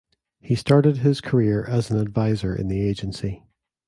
He started his career as an advisor in the agency.